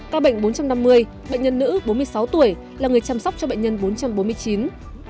ca bệnh bốn trăm năm mươi bệnh nhân nữ bốn mươi sáu tuổi là người chăm sóc cho bệnh nhân bốn trăm bốn mươi chín